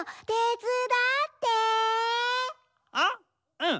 うん？